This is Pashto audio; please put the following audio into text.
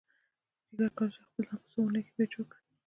جگر کولی شي خپل ځان په څو اونیو کې بیا جوړ کړي.